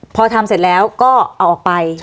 พอทำเสร็จแล้วก็เอาออกไป